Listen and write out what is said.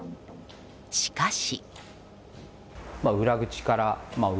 しかし。